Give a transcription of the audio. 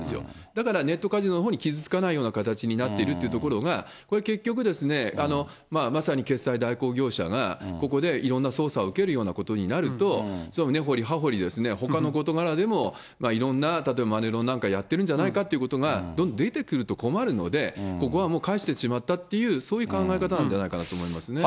だからネットカジノのほうに傷つかないような形になってるというところが、これ、結局、まさに決済代行業者が、ここでいろんな捜査を受けるようなことになると、根掘り葉掘り、ほかの事柄でもいろんな例えばマネロンなんかやってるんじゃないかということがどんどん出てくると困るので、ここはもう返してしまったという、そういう考え方なんじゃないかなと思いますね。